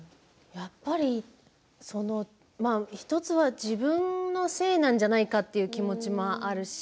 やっぱり１つは自分のせいなんじゃないかという気持ちはあるし